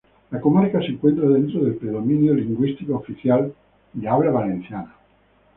La comarca se encuentra dentro del predominio lingüístico oficial de habla valenciana.